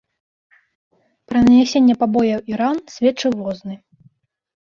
Пра нанясенне пабояў і ран сведчыў возны.